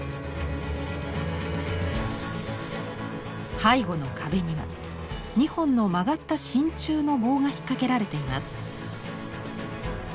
背後の壁には２本の曲がった真鍮の棒が引っ掛けられています。